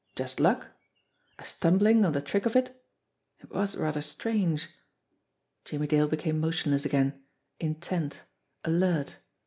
Just luck ? A stumbling on the trick of it? It was rather strange! Jimmie Dale became motionless again, intent, alert.